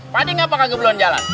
pade gak pakai geblon jalan